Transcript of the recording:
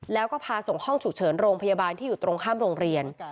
แล้วก็พาส่งห้องฉุกเฉินโรงพยาบาลที่อยู่ตรงข้ามโรงเรียน